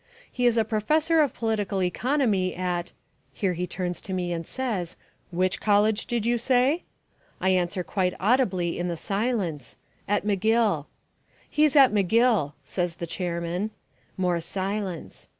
"He is a professor of political economy at " Here he turns to me and says, "Which college did you say?" I answer quite audibly in the silence, "At McGill." "He is at McGill," says the chairman. (More silence.)